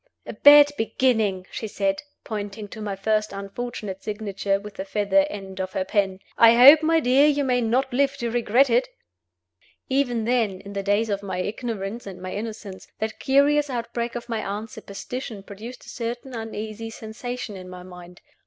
"A bad beginning!" she said, pointing to my first unfortunate signature with the feather end of her pen. "I hope, my dear, you may not live to regret it." Even then, in the days of my ignorance and my innocence, that curious outbreak of my aunt's superstition produced a certain uneasy sensation in my mind.